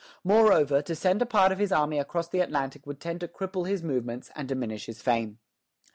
Moreover, to send a part of his army across the Atlantic would tend to cripple his movements and diminish his fame.